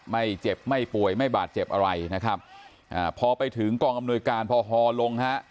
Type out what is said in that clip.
ไม่เจ็บไม่ป่วยไม่บาดเจ็บอะไรนะครับอ่าพอไปถึงกองอำนวยการพอฮอลงฮะ